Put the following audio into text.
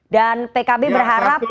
dan pkb berharap